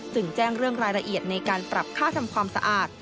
จึงแจ้งเรื่องรายละเอียดในการปรับค่าทำความสะอาด